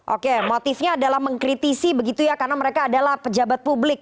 oke motifnya adalah mengkritisi begitu ya karena mereka adalah pejabat publik